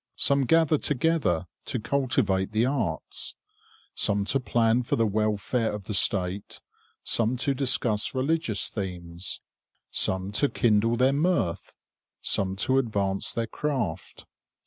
Some gather together to cultivate the arts; some to plan for the welfare of the State; some to discuss religious themes; some to kindle their mirth; some to advance their craft.